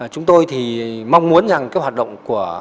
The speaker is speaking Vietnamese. chúng tôi thì mong muốn rằng cái hoạt động của